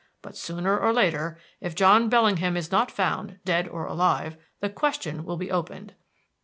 But, sooner or later, if John Bellingham is not found, dead or alive, the question will be opened.